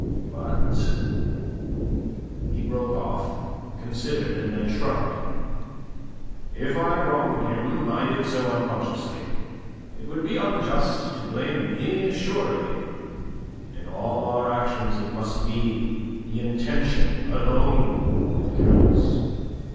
But..." He broke off, considered, and then shrugged. "If I wronged him, I did so unconsciously. It would be unjust to blame me, surely. In all our actions it must be the intention alone that counts."